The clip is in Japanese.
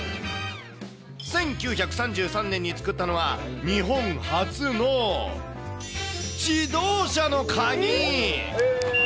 １９３３年に作ったのは、日本初の自動車の鍵。